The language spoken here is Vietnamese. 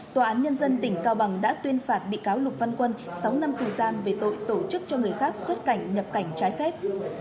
tòa án nhân dân tỉnh cao bằng đã tuyên phạt bị cáo lục văn quân sáu năm tù giam về tội tổ chức cho người khác xuất cảnh nhập cảnh trái phép